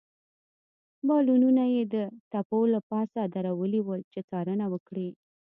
بالونونه يې د تپو له پاسه درولي ول، چې څارنه وکړي.